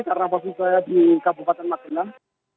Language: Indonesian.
karena posisi saya di kabupaten magelang